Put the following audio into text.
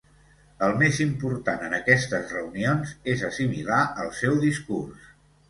El més important en aquestes reunions és assimilar el seu discurs.